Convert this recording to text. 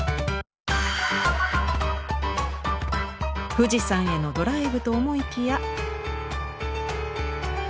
富士山へのドライブと思いきや。